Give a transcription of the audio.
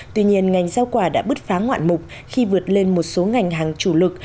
tuy nhiên ngành giao quả đã bứt phá ngoạn mục khi vượt lên một số ngành hàng chủ lực